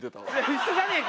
一緒じゃねえか！